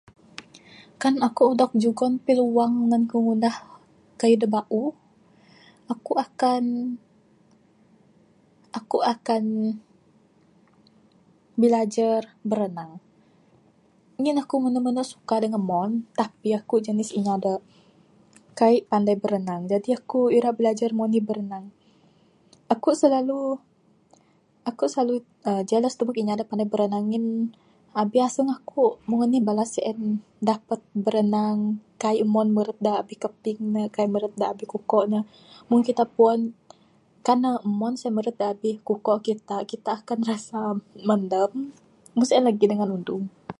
Kan aku dog jugon piluang nan ku ngundah kayuh da bauh aku akan aku akan bilajar berenang ngin aku mene mene suka neg umon tapi aku jenis inya da kaik panai berenang jadi aku ira bilajar meng anih biranang. Aku silalu aku silalu jealous tubek inya da panai biranang ngin abih aseng aku meng anih bala sien dapat berenang kaik umon meret da abih kaping ne kaik meret abih kukok ne. Meng kita puan kan ne umon sien meret abih kukok kita, kita akan rasa mandam meng sien lagih dangan undung.